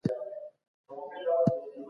مشاورین به مهم بحثونه پرمخ وړي.